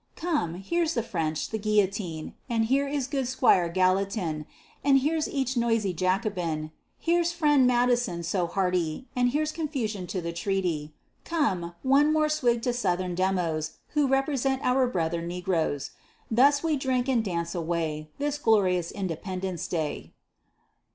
Come, here's the French, the Guillotine, And here is good 'Squire Gallatin, And here's each noisy Jacobin. Here's friend Madison so hearty, And here's confusion to the treaty. Come, one more swig to Southern Demos Who represent our brother negroes. Thus we drink and dance away, This glorious INDEPENDENCE DAY!